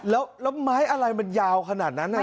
แล้วไม้อะไรมันยาวขนาดนั้น